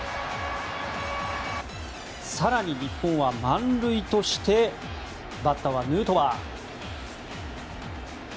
更に、日本は満塁としてバッターはヌートバー。